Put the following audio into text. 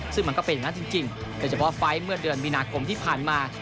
ซึ่งมันก็เป็นอย่างนั้นจริงโดยเฉพาะไฟล์เมื่อเดือนมีนาคมที่ผ่านมา